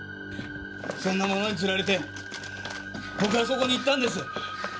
そんなものにつられて僕はそこに行ったんです。